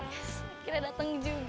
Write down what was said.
yes kita dateng juga